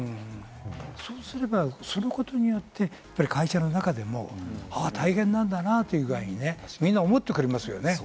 そうすればそのことによって会社の中でもあ、大変なんだなという具合にね、みんな思ってくれますよね。